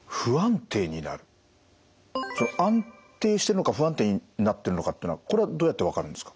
安定してるのか不安定になってるのかってのはこれはどうやって分かるんですか？